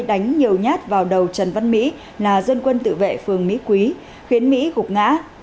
đánh nhiều nhát vào đầu trần văn mỹ là dân quân tự vệ phường mỹ quý khiến mỹ gục ngã